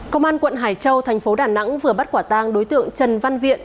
công an quận hải châu thành phố đà nẵng vừa bắt quả tang đối tượng trần văn viện